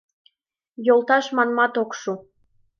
Йолташ манмат ок шу.